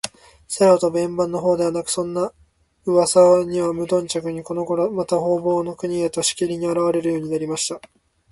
空とぶ円盤のほうでは、そんなうわさにはむとんじゃくに、このごろでは、また、ほうぼうの国へと、しきりと、あらわれるようになりました。